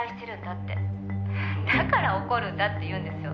「だから怒るんだって言うんですよ」